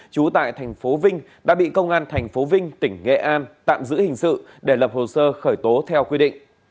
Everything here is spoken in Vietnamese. trú tại thành phố vinh đã bị công an tp vinh tỉnh nghệ an tạm giữ hình sự để lập hồ sơ khởi tố theo quy định